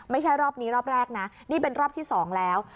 ไม่ใช่รอบนี้รอบแรกนะนี่เป็นรอบที่๒แล้ว